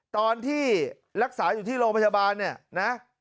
ตอนที่รักษาอยู่ที่โรงพยาบาลเนี่ยนะ